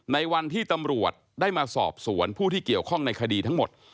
ในวันที่ตำรวจได้มาสอบสวนผู้ที่เกี่ยวข้องในคดีทั้งหมด